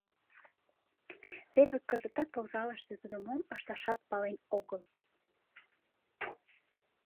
Теве кызытат вокзалыште тудо мом ышташат пален огыл.